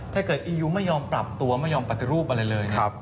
ถ้าเกิดอียูไม่ยอมปรับตัวไม่ยอมปรับรูปอะไรเลยนะครับ